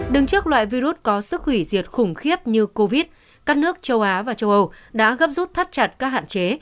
đứng trước loại virus có sức hủy diệt khủng khiếp như covid các nước châu á và châu âu đã gấp rút thắt chặt các hạn chế